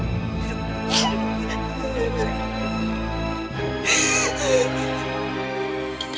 dara dara tunggu